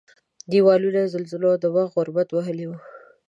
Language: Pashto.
دېوالونه یې زلزلو او د وخت غربت وهلي وو.